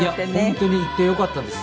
本当に行ってよかったです。